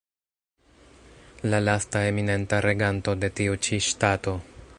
La lasta eminenta reganto de tiu ĉi ŝtato.